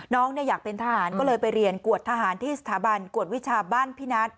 น้องอยากเป็นทหารก็เลยไปเรียนกวดทหารที่สถาบันกวดวิชาบ้านพินัท